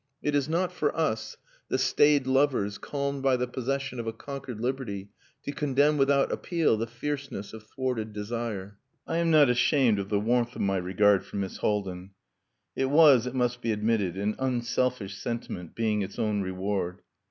It is not for us, the staid lovers calmed by the possession of a conquered liberty, to condemn without appeal the fierceness of thwarted desire. I am not ashamed of the warmth of my regard for Miss Haldin. It was, it must be admitted, an unselfish sentiment, being its own reward.